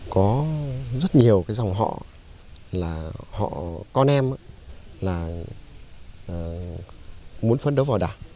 có rất nhiều dòng họ con em muốn phấn đấu vào đảng